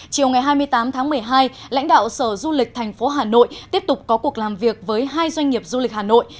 chiều ngày hai mươi tám tháng một mươi hai lãnh đạo sở du lịch thành phố hà nội tiếp tục có cuộc làm việc với hai doanh nghiệp du lịch hà nội